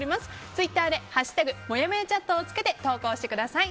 ツイッターで「＃もやもやチャット」をつけて投稿してください。